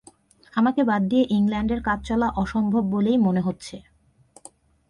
আমাকে বাদ দিয়ে ইংলণ্ডের কাজ চলা অসম্ভব বলেই মনে হচ্ছে।